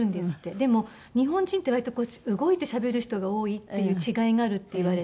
でも日本人って割と動いてしゃべる人が多いっていう違いがあるって言われて。